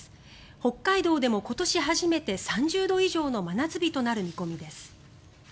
北海道でも今年初めて３０度以上の真夏日となる見込みです。